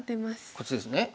こっちですね。